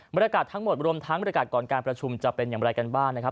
บรรยากาศทั้งหมดรวมทั้งบริการก่อนการประชุมจะเป็นอย่างไรกันบ้างนะครับ